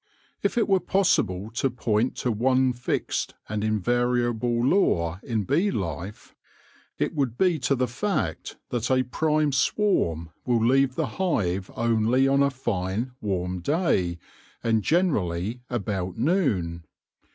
If it were possible to point to one fixed and invariable law in bee life, it would be to the fact that a prime swarm will leave the hive only on a fine, warm day, and generally about noon.